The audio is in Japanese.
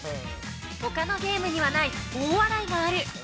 ほかのゲームにはない大笑いがある。